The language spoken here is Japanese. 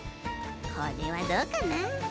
これはどうかな？